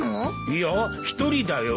いや一人だよ。